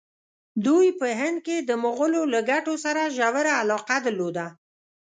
دوی په هند کې د مغولو له ګټو سره ژوره علاقه درلوده.